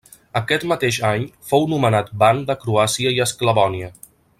Aquest mateix any fou nomenat ban de Croàcia i Esclavònia.